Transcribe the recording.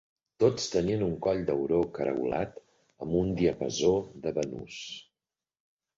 Tots tenien un coll d'auró caragolat amb un diapasó de banús.